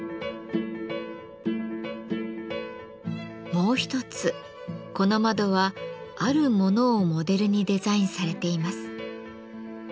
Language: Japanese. もう一つこの窓はあるものをモデルにデザインされています。